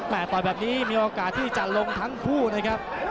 ต่อยแบบนี้มีโอกาสที่จะลงทั้งคู่นะครับ